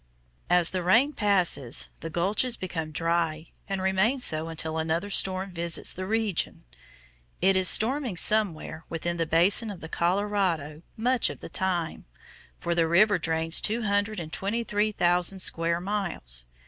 As the rain passes, the gulches become dry and remain so until another storm visits the region. It is storming somewhere within the basin of the Colorado much of the time, for the river drains two hundred and twenty three thousand square miles.